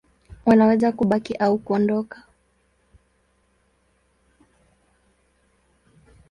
Wanaweza kubaki au kuondoka.